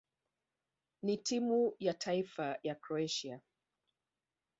na timu ya taifa ya Kroatia.